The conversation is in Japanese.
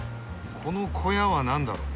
この小屋は何だろう？